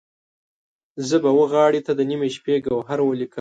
زه به وغاړې ته د نیمې شپې، ګوهر ولیکم